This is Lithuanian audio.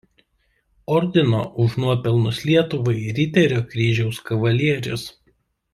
Ordino „Už nuopelnus Lietuvai“ Riterio kryžiaus kavalierius.